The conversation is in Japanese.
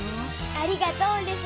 ありがとうレス。